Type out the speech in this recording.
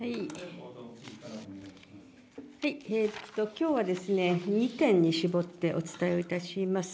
きょうはですね、２点に絞ってお伝えをいたします。